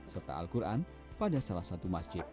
serta al quran pada salah satu masjid